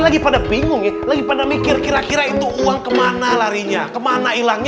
lagi pada bingung ya lagi pada mikir kira kira itu uang kemana larinya kemana hilangnya